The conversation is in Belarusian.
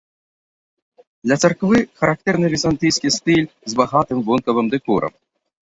Для царквы характэрны візантыйскі стыль з багатым вонкавым дэкорам.